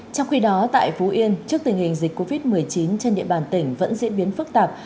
trong khi đó tại phú yên trước tình hình dịch covid một mươi chín trên địa bàn tỉnh vẫn diễn biến phức tạp